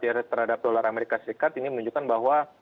jadi terhadap dolar amerika serikat ini menunjukkan bahwa